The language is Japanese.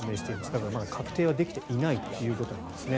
だから、確定はできていないということなんですね。